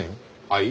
はい？